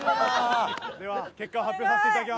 では結果を発表させていただきます。